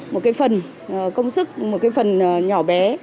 một cái phần công sức một cái phần nhỏ bé